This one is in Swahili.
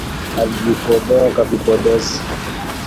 alijipodoa kwa vipodozi